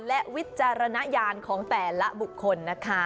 และวิจารณญาณของแต่ละบุคคลนะคะ